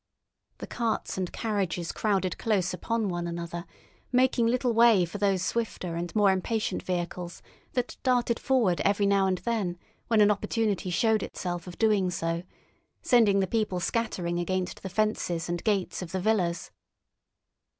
The carts and carriages crowded close upon one another, making little way for those swifter and more impatient vehicles that darted forward every now and then when an opportunity showed itself of doing so, sending the people scattering against the fences and gates of the villas.